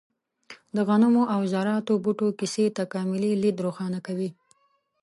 د غنمو او ذراتو بوټو کیسې تکاملي لید روښانه کوي.